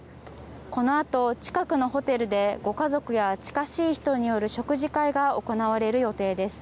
このあと近くのホテルでご家族や近しい人による食事会が行われる予定です。